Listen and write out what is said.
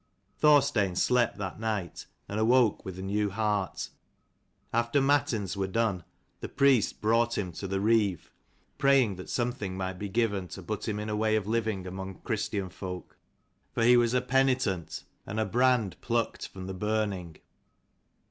Thorstein slept that night, and awoke with a new heart. After matins were done the priest brought him to the Reeve, praying that something might be given to put him in a way of living among Christian folk, for he was a 242 penitent and a brand plucked from the burning.